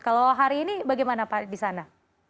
kalau hari ini bagaimana pak di sana